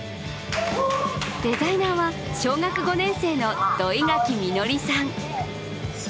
デザイナーは小学５年生の土井垣実紀さん。